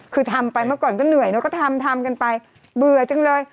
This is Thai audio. คือทำไปเมื่อก่อนก็เหนื่อยเนอะก็ทำทำกันไปเบื่อจังเลย